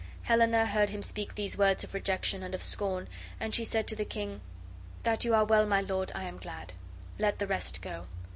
Helena heard him speak these words of rejection and of scorn, and she said to the king: "That you are well, my lord, I am glad. Let the rest go."